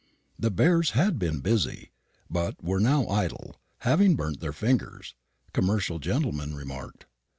The Bears had been busy, but were now idle having burnt their fingers, commercial gentlemen remarked.